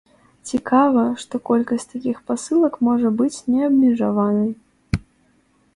Цікава, што колькасць такіх пасылак можа быць неабмежаванай.